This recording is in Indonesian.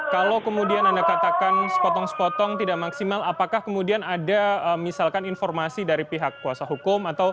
kalau kemudian anda katakan sepotong sepotong tidak maksimal apakah kemudian ada misalkan informasi dari pihak kuasa hukum